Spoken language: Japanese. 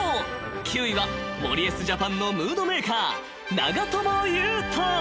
［９位は森保ジャパンのムードメーカー］